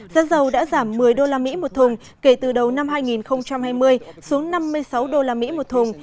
giá dầu đã giảm một mươi đô la mỹ một thùng kể từ đầu năm hai nghìn hai mươi xuống năm mươi sáu đô la mỹ một thùng